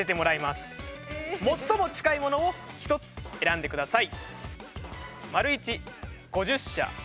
最も近いものを１つ選んでください。